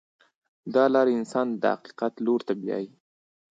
دا لاره انسان د حقیقت لور ته بیایي.